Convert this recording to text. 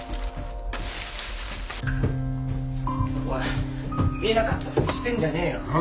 おい見なかったふりしてんじゃねえよ。